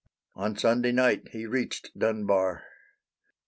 On Sunday night he reached Dunbar.